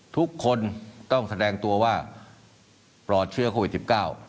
ทุกคนต้องแสดงตัวว่าปลอดเชื้อโควิดสิบเก้า